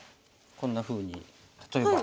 こんなふうに例えば。